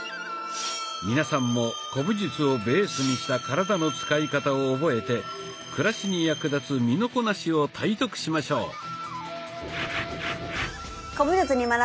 皆さんも古武術をベースにした体の使い方を覚えて暮らしに役立つ身のこなしを体得しましょう。